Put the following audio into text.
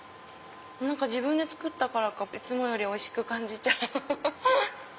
自分で作ったからかいつもよりおいしく感じちゃうハハハ。